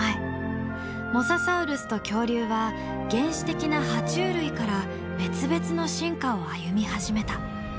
モササウルスと恐竜は原始的な爬虫類から別々の進化を歩み始めた。